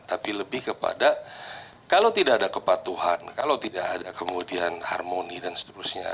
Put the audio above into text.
tapi lebih kepada kalau tidak ada kepatuhan kalau tidak ada kemudian harmoni dan seterusnya